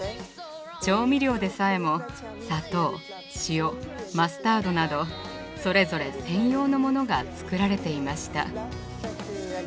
調味料でさえも砂糖塩マスタードなどそれぞれ専用のモノが作られていました。